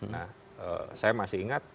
nah saya masih ingat